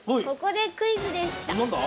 ここでクイズです。